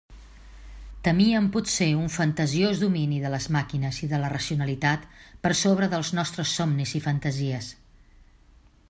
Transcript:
Temíem potser un fantasiós domini de les màquines i de la racionalitat per sobre dels nostres somnis i fantasies.